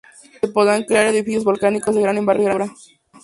Se podrán crear edificios volcánicos de gran envergadura.